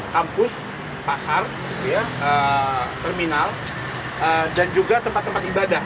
kampus pasar terminal dan juga tempat tempat ibadah